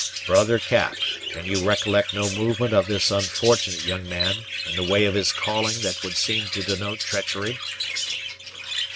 Brother Cap, can you recollect no movement of this unfortunate young man, in the way of his calling, that would seem to denote treachery?"